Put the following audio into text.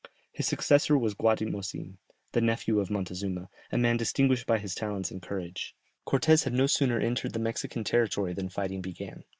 His successor was Guatimozin, the nephew of Montezuma, a man distinguished by his talents and courage. Cortès had no sooner entered the Mexican territory than fighting began.